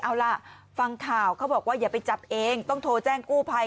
เอาล่ะฟังข่าวเขาบอกว่าอย่าไปจับเองต้องโทรแจ้งกู้ภัย